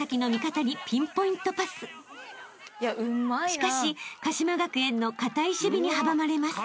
［しかし鹿島学園の堅い守備に阻まれます］